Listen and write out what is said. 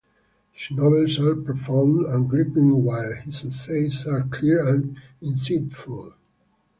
His novels are profound and gripping while his essays are clear and insightful.